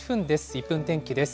１分天気です。